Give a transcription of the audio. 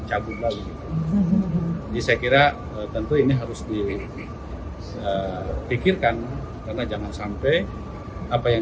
cabut lagi saya kira tentu ini harus dipikirkan karena jangan sampai apa yang